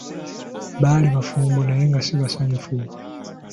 Baali bafumbo naye nga si basanyufu.